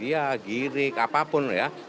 dia girik apapun ya